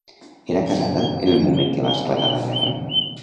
Era casada en el moment que va esclatar la guerra?